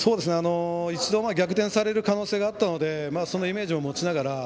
一度、逆転される可能性があったのでそのイメージを持ちながら。